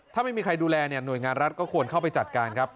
ถ้าไม่มีใครดูแลเนี่ยหน่วยงานรัฐก็ควรเข้าไปจัดการครับ